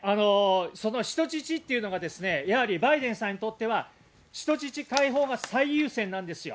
その人質というのが、やはりバイデンさんにとっては、人質解放が最優先なんですよ。